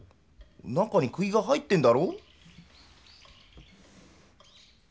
中にくぎが入ってんだろ！